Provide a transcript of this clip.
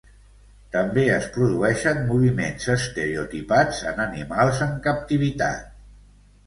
També es produeixen moviments estereotipats en animals en captivitat.